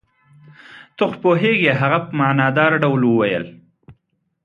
ته خو پوهېږې. هغه په معنی دار ډول وویل.